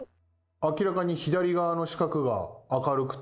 明らかに左側の四角が明るくて。